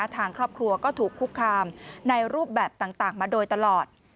ทางครอบครัวก็ถูกคุกคามในรูปแบบต่างมาโดยตลอด